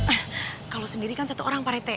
eh kalau sendiri kan satu orang pak rt